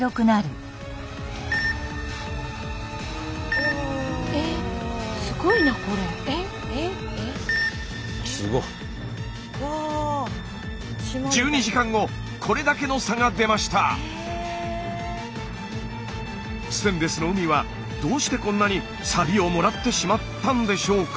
ステンレスの海はどうしてこんなにサビをもらってしまったんでしょうか？